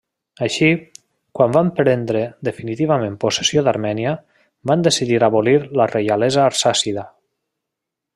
Així, quan van prendre definitivament possessió d'Armènia, van decidir abolir la reialesa arsàcida.